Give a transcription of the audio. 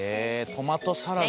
トマトサラダ。